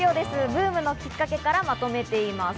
ブームのきっかけからまとめています。